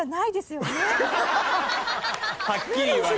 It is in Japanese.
はっきり言われた。